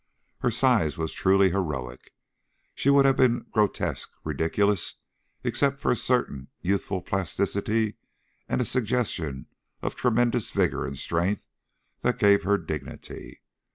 Her size was truly heroic; she would have been grotesque, ridiculous, except for a certain youthful plasticity and a suggestion of tremendous vigor and strength that gave her dignity.